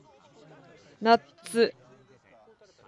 ナッツ